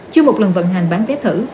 chưa một lần vận hành bán vé thử